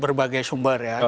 sebagai sumber ya